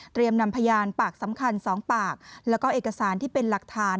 นำพยานปากสำคัญ๒ปากแล้วก็เอกสารที่เป็นหลักฐาน